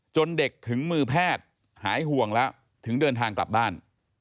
เด็กถึงมือแพทย์หายห่วงแล้วถึงเดินทางกลับบ้าน